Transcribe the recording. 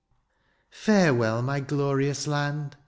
" Farewell, my glorious land!